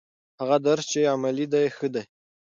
هغه درس چې عملي دی ښه دی.